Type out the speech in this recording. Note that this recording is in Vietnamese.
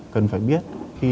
cần phải biết